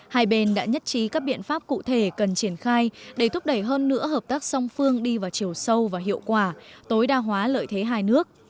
hai bên đã nhất trí các biện pháp cụ thể cần triển khai để thúc đẩy hơn nữa hợp tác song phương đi vào chiều sâu và hiệu quả tối đa hóa lợi thế hai nước